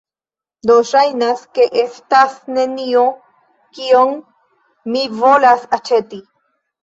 Do, ŝajnas, ke estas nenio kion mi volas aĉeti